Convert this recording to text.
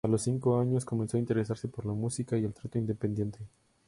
A los cinco años comenzó a interesarse por la música y el teatro independiente.